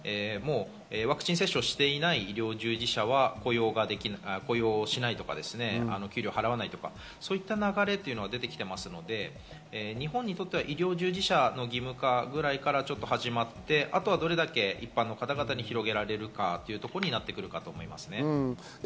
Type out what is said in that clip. ワクチン接種をしていない医療従事者は雇用しないとか給料払わないとかそういった流れが出てきていますので、日本にとっては医療従事者の義務化くらいから始まって、あとは一般の方にどれぐらい広げられるかということになってきます。